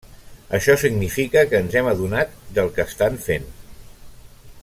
Això significa que ens hem adonat del que estan fent.